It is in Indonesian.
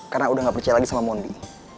karena udah gak percaya lagi sama mondi